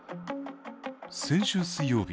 先週水曜日。